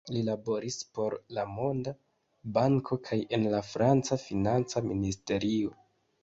Li laboris por la Monda Banko kaj en la franca financa ministerio.